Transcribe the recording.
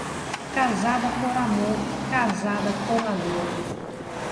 Casada por amor, casada com a dor.